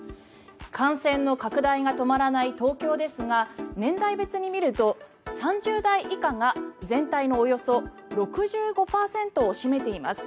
感染の拡大が止まらない東京ですが年代別に見ると３０代以下が全体のおよそ６５％を占めています。